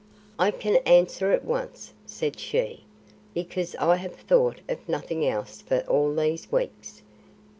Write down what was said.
"I can answer at once," said she, "because I have thought of nothing else for all these weeks.